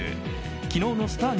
昨日のスター☆